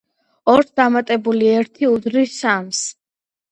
ორს დამატებული ერთი უდრის სამს.